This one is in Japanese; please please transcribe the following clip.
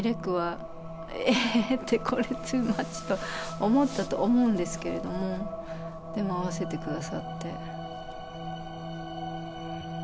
「これトゥーマッチ」と思ったと思うんですけれどもでも合わせて下さって。